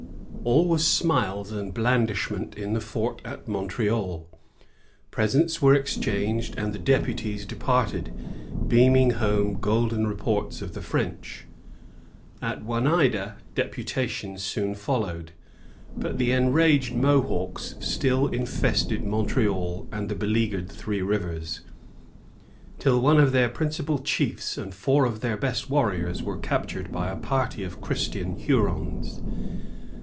AU was smiles and blandishment in the fort at Montreal; presents were exchanged, and the deputies departed, beaming home golden reports of the French. An Oneida deputation soon followed ; but the enraged Mohawks still infested Montreal and beleaguered Three Rivers, till one of their principal chiefi9 and four of their best warriors were captured by a party of Christian Hurons.